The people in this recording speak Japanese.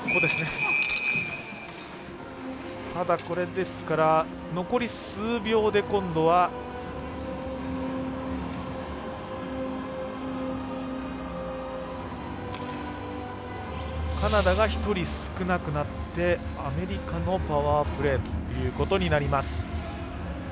ただ、残り数秒で今度はカナダが１人少なくなってアメリカのパワープレーということになります。